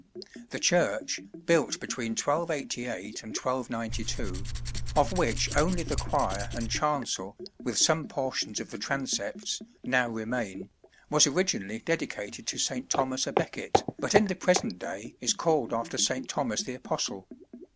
The church (built between 1288 1292), of which only the choir and chancel, with some portions of the transepts, now remain, was originally dedicated to St. Thomas à Becket, but in the present day is called after St. Thomas the Apostle.